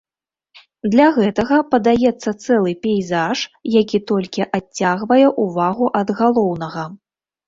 Для гэтага падаецца цэлы пейзаж, які толькі адцягвае ўвагу ад галоўнага.